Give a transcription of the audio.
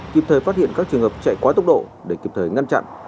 kịp thời phát hiện các trường hợp chạy quá tốc độ để kịp thời ngăn chặn